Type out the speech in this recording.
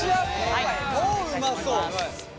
もううまそう！